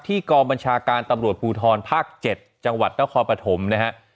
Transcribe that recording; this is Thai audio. กองบัญชาการตำรวจภูทรภาค๗จังหวัดนครปฐมนะฮะ